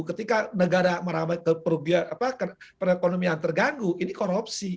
ketika negara meramai ke perekonomian terganggu ini korupsi